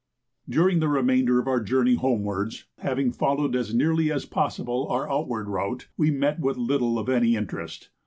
During the remainder of our journey homewards, having followed as nearly as possible our outward route, we met with little of any interest.